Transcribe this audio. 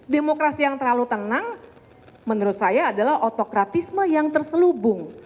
demokrasi yang terlalu tenang menurut saya adalah otokratisme yang terselubung